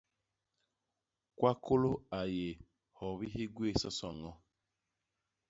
Kwakôlô a yé hyobi hi gwé soso ñño.